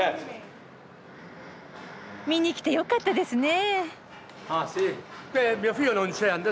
見に来てよかったですね。